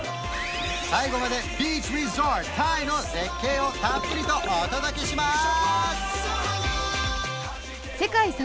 最後までビーチリゾートタイの絶景をたっぷりとお届けします